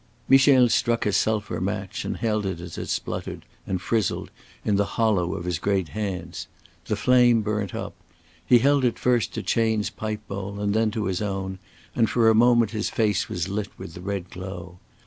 Michel struck a sulphur match and held it as it spluttered, and frizzled, in the hollow of his great hands. The flame burnt up. He held it first to Chayne's pipe bowl and then to his own; and for a moment his face was lit with the red glow.